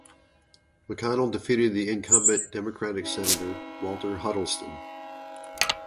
McConnell defeated the incumbent Democratic senator, Walter Huddleston.